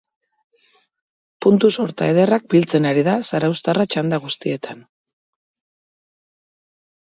Puntu sorta ederrak biltzen ari da zarauztarra txanda guztietan.